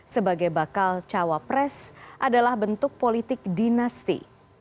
sebagai bakal cawa pres adalah bentuk politik dinasti